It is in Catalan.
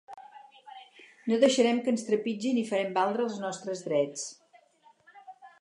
No deixarem que ens trepitgin i farem valdre els nostres drets.